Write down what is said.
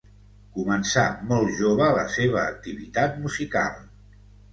Començà molt jove la seva activitat musical.